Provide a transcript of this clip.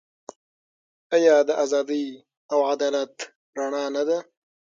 آیا د ازادۍ او عدالت رڼا نه ده؟